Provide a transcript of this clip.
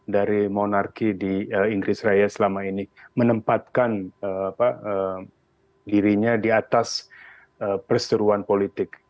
dirinya di atas perseruan politik